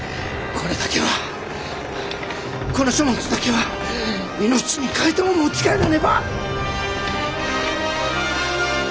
これだけはこの書物だけは命に代えても持ち帰らねば！